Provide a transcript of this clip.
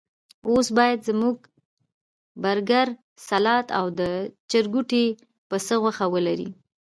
اوس باید زموږ برګر، سلاد او د چرګوټي پسته غوښه ولري.